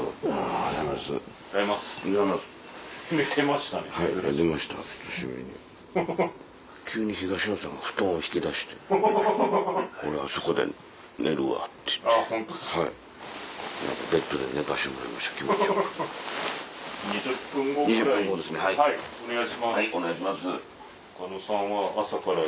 はいお願いします。